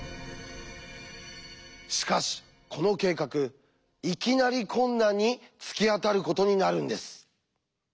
しかしこの計画いきなり困難に突き当たることになるんです。